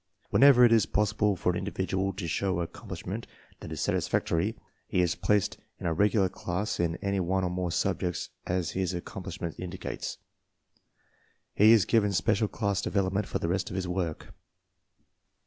Whenever it is possible for an individual to show accomplishment that is satisfactory, he is placed in a regular class in any one or more subjects as his accomplishment indicates. He is given special class development for the rest of his work.